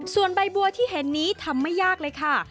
ส่วนใบบัวที่เห็นนี้ทำไม่ยากเลยค่ะ